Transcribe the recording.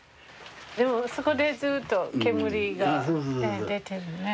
でもそこでずっと煙が出てるね。